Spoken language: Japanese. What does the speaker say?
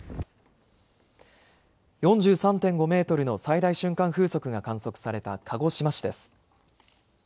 ４３．５メートルの最大瞬間風速が観測された鹿児島市です。